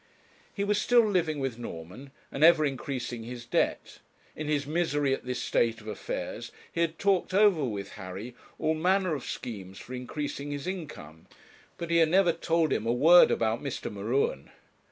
He was still living with Norman, and ever increasing his debt. In his misery at this state of affairs, he had talked over with Harry all manner of schemes for increasing his income, but he had never told him a word about Mr. M'Ruen.